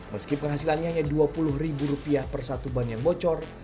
meski penghasilannya hanya dua puluh ribu rupiah per satu ban yang bocor